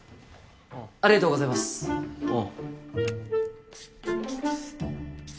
ありがとうございますああああ